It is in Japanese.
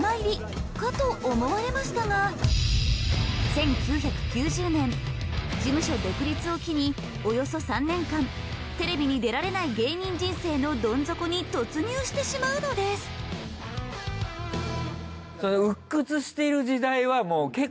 １９９０年事務所独立を機におよそ３年間テレビに出られない芸人人生のどん底に突入してしまうのです２人とも。